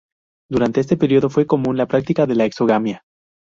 Durante este periodo fue común la práctica de la exogamia.